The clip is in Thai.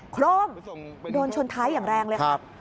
โคร่มโดนชนท้ายอย่างแรงเลยครับ